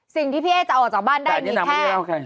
สิ่งที่พี่เอ๊จะออกจากบ้านได้มีแค่